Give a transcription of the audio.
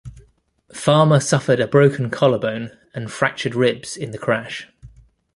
Farmer suffered a broken collarbone and fractured ribs in the crash.